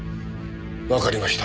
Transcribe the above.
わかりました。